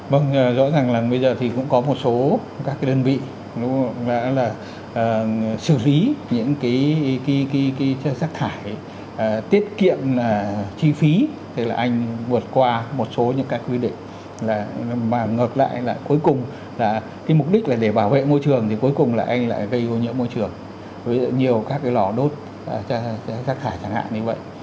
vâng rõ ràng là bây giờ thì cũng có một số các đơn vị xử lý những cái giác thải tiết kiệm chi phí để là anh vượt qua một số những cái quy định mà ngược lại là cuối cùng là cái mục đích là để bảo vệ môi trường thì cuối cùng là anh lại gây hô nhỡ môi trường với nhiều các cái lò đốt giác thải chẳng hạn như vậy